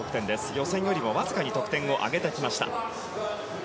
予選よりもわずかに得点を上げてきました。